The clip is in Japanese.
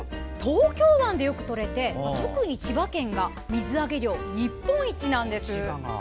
東京湾でよく取れて特に千葉県が水揚げ日本一なんです。